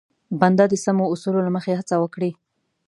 بنده د سمو اصولو له مخې هڅه وکړي.